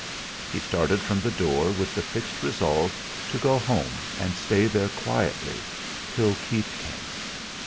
He started from the door with the fixed resolve to go home and stay there quietly till Keith came.